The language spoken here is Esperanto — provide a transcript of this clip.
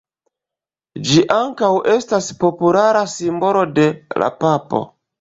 Ĝi ankaŭ estas populara simbolo de la papo.